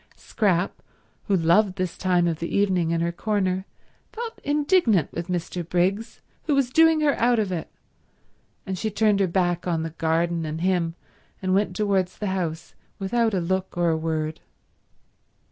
Scrap, who loved this time of the evening in her corner, felt indignant with Mr. Briggs who was doing her out of it, and she turned her back on the garden and him and went towards the house without a look or a word.